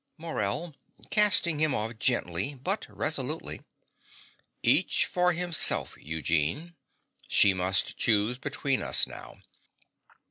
MORELL (casting him off gently, but resolutely). Each for himself, Eugene. She must choose between us now.